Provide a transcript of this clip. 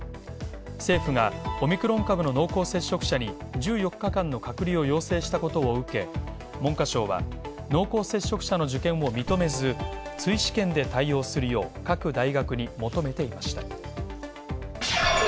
政府がオミクロン株の濃厚接触者に１４日間の隔離を要請したことを受け、文科省は、濃厚接触者の受験を認めず追試験で対応するよう各大学に求めていました。